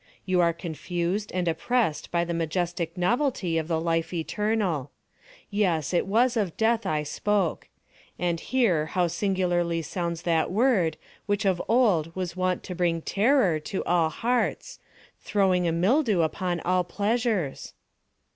You are confused and oppressed by the majestic novelty of the Life Eternal. Yes, it was of Death I spoke. And here how singularly sounds that word which of old was wont to bring terror to all hearts—throwing a mildew upon all pleasures!